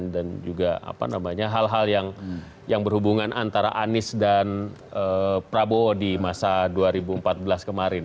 dan juga apa namanya hal hal yang berhubungan antara anies dan prabowo di masa dua ribu empat belas kemarin